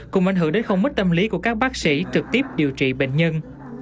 cùng ảnh hưởng đến không ít tâm lý của các bác sĩ trực tiếp điều trị bệnh nhân